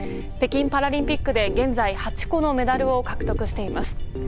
北京パラリンピックで現在８個のメダルを獲得しています。